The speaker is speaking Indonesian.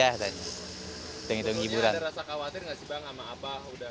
ada rasa khawatir nggak sih bang sama abah